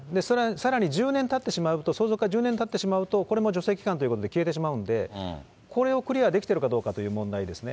さらに１０年たってしまうと、相続が１０年たってしまうと、これもじょせい期間ということで消えてしまうんですね、これもクリアできているかという問題ですね。